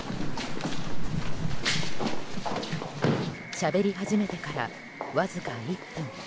しゃべり始めてからわずか１分。